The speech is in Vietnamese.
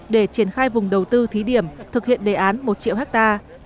để triển khai vùng đầu tư thí điểm thực hiện đề án một triệu hectare